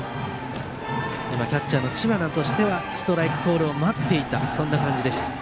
キャッチャーの知花としてはストライクコールを待っていた感じでした。